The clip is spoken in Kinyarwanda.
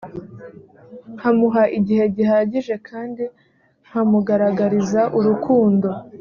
nkamuha igihe gihagije kandi nkamugaragariza urukundo